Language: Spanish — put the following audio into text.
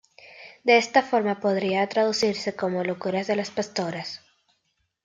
De esta forma podría traducirse como "Locuras de las pastoras".